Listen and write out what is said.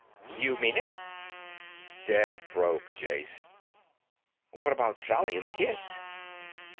"You mean it?" "Dead broke, Jase." "What about Sally and the kids?"